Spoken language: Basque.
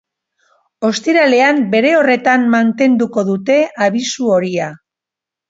Ostiralean bere horretan mantenduko dute abisu horia.